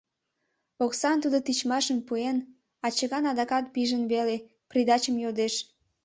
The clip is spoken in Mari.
Оксам тудо тичмашын пуэн, а чыган адакат пижын веле, придачым йодеш.